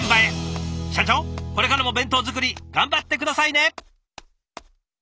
社長これからも弁当作り頑張って下さいね！